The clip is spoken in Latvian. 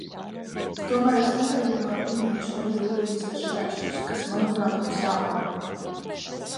Tomēr es nobeigumā minēšu arī grūtības vai šķēršļus, kas, manuprāt, mums jāpārvar.